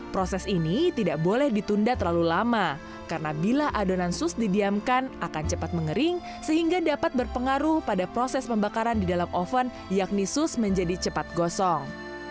proses ini tidak boleh ditunda terlalu lama karena bila adonan sus didiamkan akan cepat mengering sehingga dapat berpengaruh pada proses pembakaran di dalam oven yakni sus menjadi cepat gosong